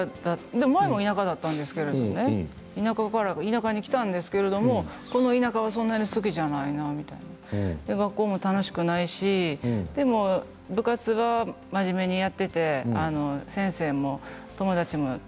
前も田舎だったんですけど田舎から田舎に来たんですけれどもこの田舎はそんなに好きじゃないなみたいな学校も楽しくないしでも部活は真面目にやっていて陸上部でしたっけ。